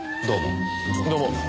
どうも。